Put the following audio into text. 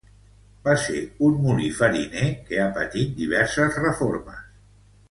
Va ser un molí fariner que ha patit diverses reformes.